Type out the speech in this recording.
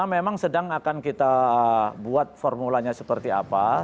memang sedang akan kita buat formulanya seperti apa